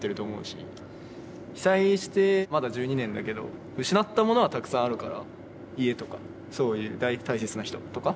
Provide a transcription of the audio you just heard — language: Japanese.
被災してまだ１２年だけど失ったものはたくさんあるから家とかそういう大切な人とか？